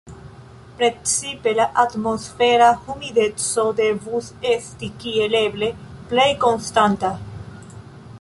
Precipe la atmosfera humideco devus esti kiel eble plej konstanta.